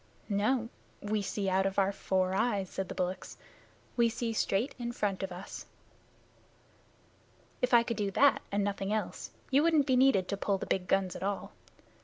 "No. We see out of our four eyes," said the bullocks. "We see straight in front of us." "If I could do that and nothing else, you wouldn't be needed to pull the big guns at all.